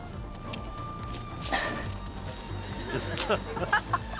ハハハハ！